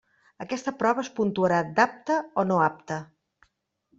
Aquesta prova es puntuarà d'apte o no apte.